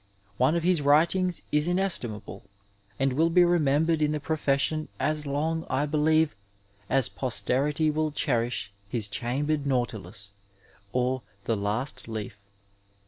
One of his writings is inestimable, and will be remembered in the profesnon as long, I believe, as posterity will cherish his Chambered Nautilus or the Last Leaf.